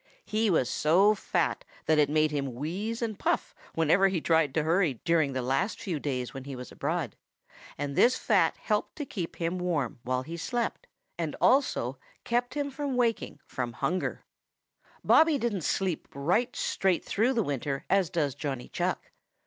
He was so fat that it made him wheeze and puff whenever he tried to hurry during the last few days he was abroad, and this fat helped to keep him warm while he slept, and also kept him from waking from hunger. [Illustration: 0020] Bobby didn't sleep right straight through the winter as does Johnny Chuck.